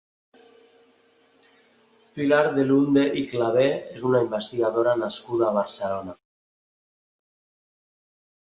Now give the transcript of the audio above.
Pilar Dellunde i Clavé és una investigadora nascuda a Barcelona.